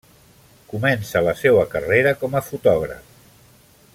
Comença la seua carrera com a fotògraf.